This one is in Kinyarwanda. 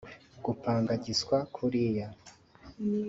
Gupanga giswa kuriya